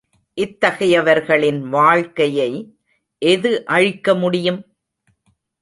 இத்தகையவர்களின் வாழ்க்கையை எது அழிக்க முடியும்?